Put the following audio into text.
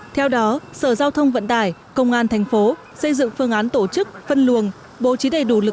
theo đó sở giao thông vận tải công an thành phố xây dựng phương án tổ chức phân luồng bố trí đầy đủ lực